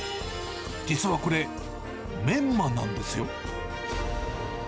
実はこれ、メンマなんですよ。